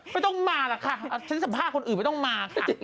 ไม่ต้องมาหรอกค่ะฉันสัมภาษณ์คนอื่นไม่ต้องมาค่ะ